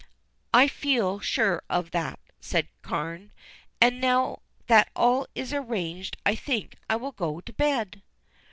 "I feel sure of that," said Carne, "and now that all is arranged I think I will go to bed."